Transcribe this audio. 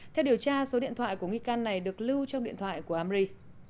theo điều tra số điện thoại của nghi can này được lưu trong điện thoại của amri